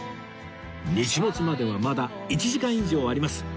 日没まではまだ１時間以上あります